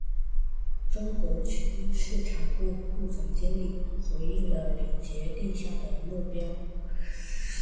中国区市场部副总经理回应了李杰定下的目标